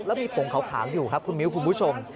แล้วมีผงขาวอยู่ครับคุณมิ้วคุณผู้ชม